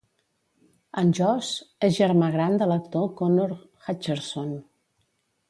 En Josh és germà gran de l'actor Connor Hutcherson.